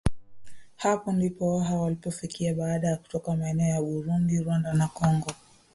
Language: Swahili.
Hapo ndipo Waha walipofikia baada ya kutoka maeneo ya Burundi Rwanda na Kongo